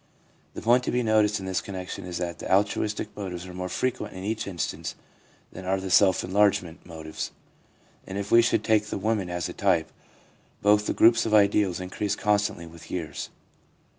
The point to be noticed in this connection is that the altruistic motives are more frequent in each instance than are the self enlargement motives, and if we should take the women as a type, both the groups of ideals increase constantly with years.